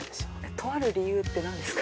◆とある理由って、何ですか。